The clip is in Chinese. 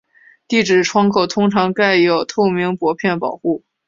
地址窗口通常盖有透明薄片保护。